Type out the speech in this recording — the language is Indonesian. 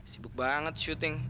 sibuk banget syuting